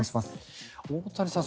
太谷さん